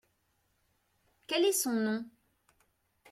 Quel est son nom ?